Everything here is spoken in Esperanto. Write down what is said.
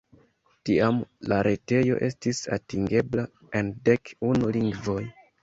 Tiam la retejo estis atingebla en dek unu lingvoj.